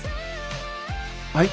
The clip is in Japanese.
はい？